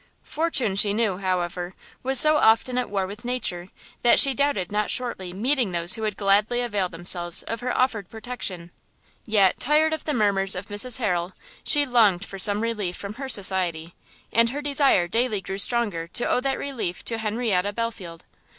Fortune she knew, however, was so often at war with Nature, that she doubted not shortly meeting those who would gladly avail themselves of her offered protection. Yet, tired of the murmurs of Mrs Harrel, she longed for some relief from her society, and her desire daily grew stronger to owe that relief to Henrietta Belfield.